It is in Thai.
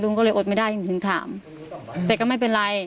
ก็เลยอดไม่ได้หนูถึงถามแต่ก็ไม่เป็นไร